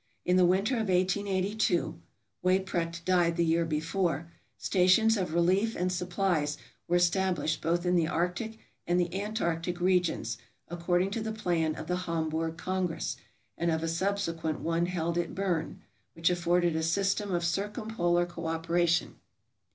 In the winter of 1882 (Weyprecht died the year before) stations of relief and supplies were established both in the arctic and the antarctic regions, according to the plan of the Hamburg Con gress, and of a subsequent one held at Bern, which afforded a system of circumpolar cooperation.